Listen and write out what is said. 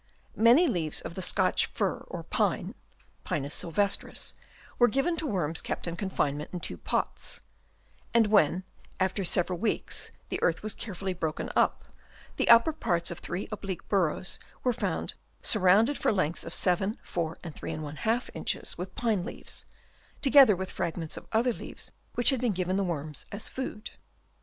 Many leaves of the Scotch fir or pine (Pinus sylvestris) were given to worms kept in con finement in two pots ; and when after several weeks the earth was carefully broken up, the upper parts of three oblique burrows were found surrounded for lengths of 7, 4, and 3^ inches with pine leaves, together with fragments of other leaves which had been given the worms as food.